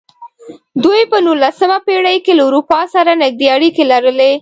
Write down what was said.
دوی په نولسمه پېړۍ کې له اروپا سره نږدې اړیکې لرلې.